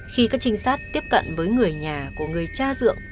khi các trinh sát tiếp cận với người nhà của người cha dượng